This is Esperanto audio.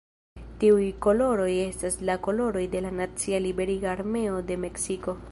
Tiuj koloroj estas la koloroj de la nacia liberiga armeo de Meksiko.